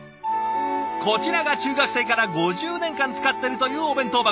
こちらが中学生から５０年間使っているというお弁当箱。